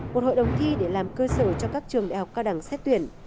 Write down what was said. một hội đồng thi để làm cơ sở cho các trường đại học cao đẳng xét tuyển